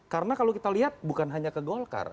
karena kalau kita lihat bukan hanya ke golkar